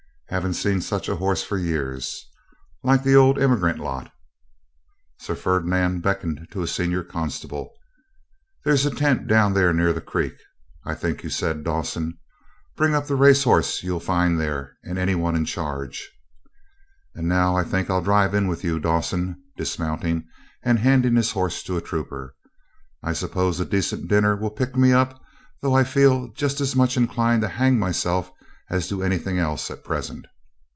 Haven't seen such a horse for years. Like the old Emigrant lot.' Sir Ferdinand beckoned to a senior constable. 'There's a tent down there near the creek, I think you said, Dawson. Bring up the racehorse you find there, and any one in charge.' 'And now I think I'll drive in with you, Dawson' (dismounting, and handing his horse to a trooper). 'I suppose a decent dinner will pick me up, though I feel just as much inclined to hang myself as do anything else at present.